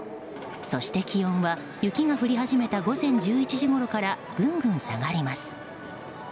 そして気温は、雪が降り始めた午前１１時ごろからぐんぐん下がります。